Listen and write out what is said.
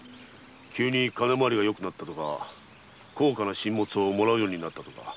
急に金まわりがよくなったとか高価な進物を貰うようになったとか。